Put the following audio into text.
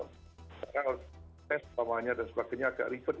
karena kalau tes utamanya dan sebagainya agak ribet